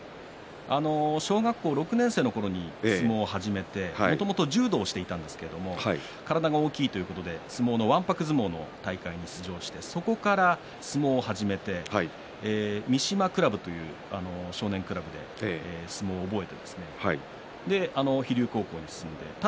小学校６年生の時に相撲を始めてもともと柔道をしていたんですが体が大きいということで相撲のわんぱく相撲の大会に出場してそこから相撲を始めて三島クラブという少年クラブで相撲を覚えてそして飛龍高校に進みました。